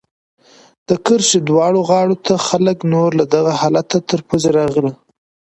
د کرښې دواړو غاړو ته خلک نور له دغه حالته تر پوزې راغله.